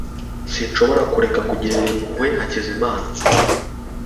Sinshobora kureka kugirira impuhwe Hakizimana .